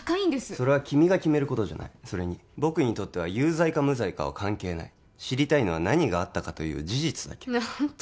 それは君が決めることじゃないそれに僕にとっては有罪か無罪かは関係ない知りたいのは何があったかという事実だけ何て